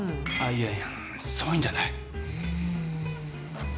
いやいやそういうんじゃないうーん